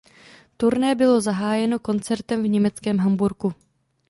Turné bylo zahájeno koncertem v německém Hamburku.